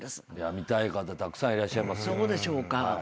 見たい方たくさんいらっしゃいますよ。